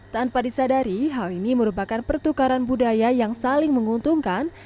tanpa disadari hal ini merupakan pertukaran budaya yang saling menguntungkan